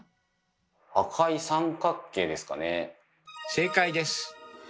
正解です。